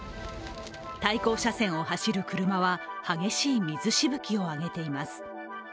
対向車線を走る車は激しい水しぶきを上げています。